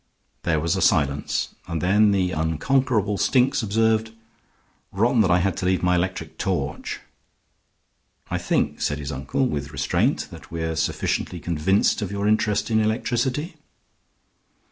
There was a silence, and then the unconquerable Stinks observed: "Rotten that I had to leave my electric torch." "I think," said his uncle, with restraint, "that we are sufficiently convinced of your interest in electricity."